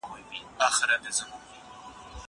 زه به اوږده موده سیر کړی وم!!